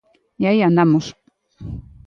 E aí andamos.